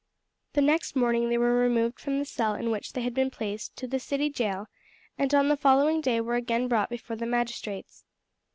The next morning they were removed from the cell in which they had been placed to the city jail, and on the following day were again brought before the magistrates.